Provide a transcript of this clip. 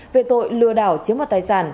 về tội lừa đảo chiếm vật tài sản